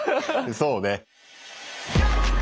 そうね。